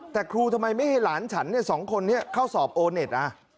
แต่ครูทำไมไม่ให้หลานฉันสองคนนี้เข้าสอบโอเน็ต